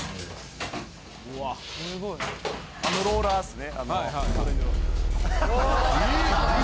あのローラーっすね。